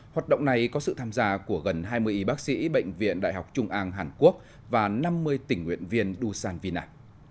hoạt động này có sự tham gia của gần hai mươi y bác sĩ bệnh viện đại học trung an hàn quốc và năm mươi tỉnh nguyện viên đu san vina